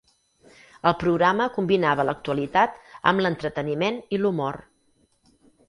El programa combinava l'actualitat amb l'entreteniment i l'humor.